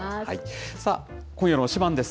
さあ、今夜の推しバン！です。